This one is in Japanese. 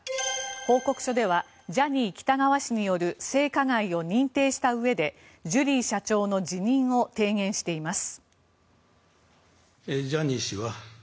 報告書ではジャニー喜多川氏による性加害を認定したうえでジュリー社長の辞任を提言しています。